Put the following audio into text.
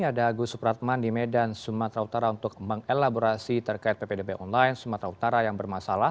ada agus supratman di medan sumatera utara untuk mengelaborasi terkait ppdb online sumatera utara yang bermasalah